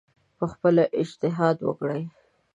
پخپله اجتهاد وکړي